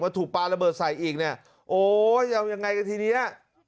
มันถูกปลาระเบิดใสอีกเนี้ยโอ้ยอย่างไงกันทีเนี้ย